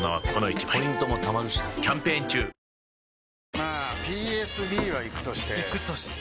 まあＰＳＢはイクとしてイクとして？